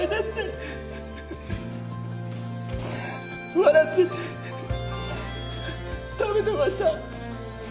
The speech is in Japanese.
笑って食べてました